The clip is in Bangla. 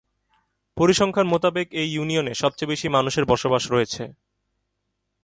পরিসংখ্যান মোতাবেক এই ইউনিয়নে সবচেয়ে বেশি মানুষের বসবাস রয়েছে।